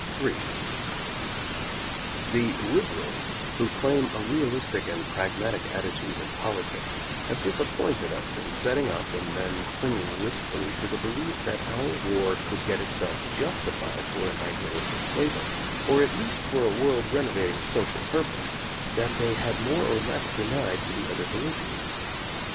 in The "liberals" who claim a realistic and prag matic attitude in politics have disappointed us in setting up and then clinging wistfully to the belief that our war could get itself justified for an ideal istic flavor, or at least for a world renovating social purpose, that they had more or less denied to the other belligerents.